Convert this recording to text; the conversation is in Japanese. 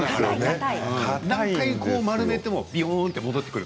何回丸めてもびよんと戻ってくる。